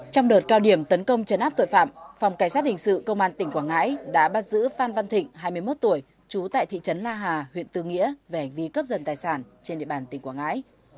trong đợt cao điểm tấn công chấn áp tội phạm phòng cảnh sát hình sự công an tỉnh quảng ngãi đã bắt giữ phan văn thịnh hai mươi một tuổi chú tại thị trấn la hà huyện tư nghĩa về hành vi cướp dần tài sản trên địa bàn tỉnh quảng ngãi